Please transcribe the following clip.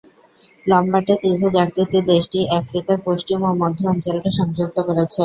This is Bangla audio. লম্বাটে ত্রিভুজ আকৃতির দেশটি আফ্রিকার পশ্চিম ও মধ্য অঞ্চলকে সংযুক্ত করেছে।